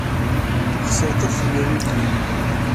Xeṣrent akk tmellalin-nni.